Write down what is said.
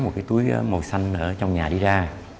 một cái túi màu xanh ở trong nhà đi ra